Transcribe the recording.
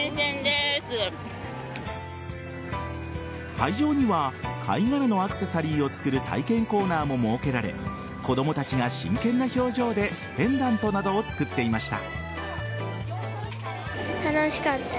会場には貝殻のアクセサリーを作る体験コーナーも設けられ子供たちが真剣な表情でペンダントなどを作っていました。